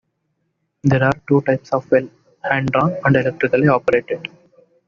There are two types of well; hand drawn and electrically operated.